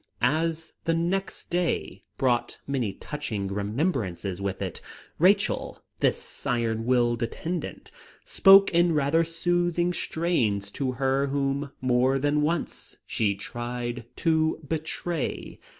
As the next day brought many touching remembrances with it, Rachel, this iron willed attendant, spoke in rather soothing strains to her whom more than once she tried to betray.